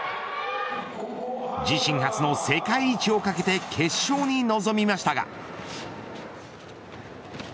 自身初の世界一を懸けて決勝に臨みましたが。